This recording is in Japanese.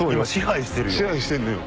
支配してんのよ。